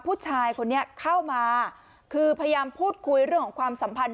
ผู้ชายคนนี้เข้ามาคือพยายามพูดคุยเรื่องของความสัมพันธ์